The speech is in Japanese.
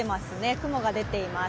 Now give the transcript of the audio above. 雲が出ています。